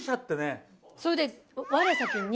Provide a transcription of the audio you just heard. それで。